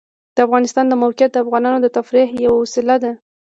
د افغانستان د موقعیت د افغانانو د تفریح یوه وسیله ده.